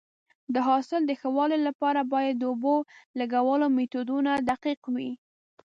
د حاصل د ښه والي لپاره باید د اوبو لګولو میتودونه دقیق وي.